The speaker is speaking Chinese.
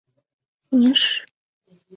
明史上说郭山甫善相人。